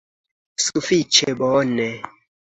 Sufiĉe bone